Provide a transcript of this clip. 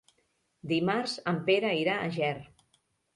Dimarts en Pere irà a Ger.